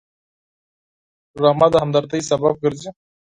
ډرامه د همدردۍ سبب ګرځي